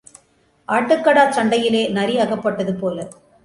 ஆட்டுக்கடாச் சண்டையிலே நரி அகப்பட்டதுபோல.